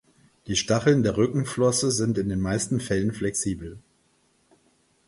Die Stacheln der Rückenflosse sind in den meisten Fällen flexibel.